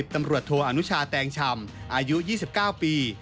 ตำรวจโทอนุชาแตงชำอายุ๒๙ปี